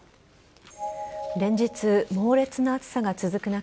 連日、猛烈な暑さが続く中